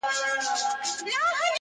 ښه ډاډه دي نه یې ډار سته له پیشیانو,